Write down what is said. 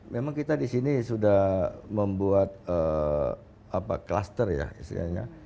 memang kita di sini sudah membuat kluster ya istilahnya